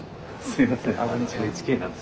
すみません。